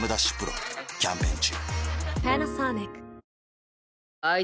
丕劭蓮キャンペーン中